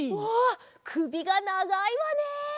うわくびがながいわね！